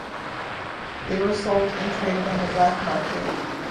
They were sold and traded on the black market.